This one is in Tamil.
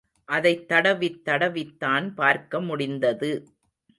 அதைத் தடவித் தடவித்தான் பார்க்க முடிந்தது.